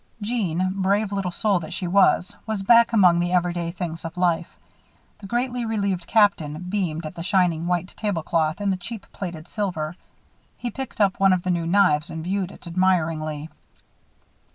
Jeanne, brave little soul that she was, was back among the everyday things of life. The greatly relieved Captain beamed at the shining white tablecloth and the cheap, plated silver. He picked up one of the new knives and viewed it admiringly.